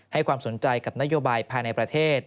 ให้ความสนใจกับนโยบายภายในประเทศ